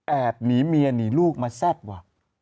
แอบหนีเมียหรือลูกมาซ็บว่ะ